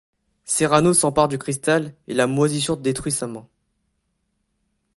Serrano s'empare du cristal et la moisissure détruit sa main.